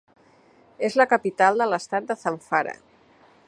És la capital de l'estat de Zamfara.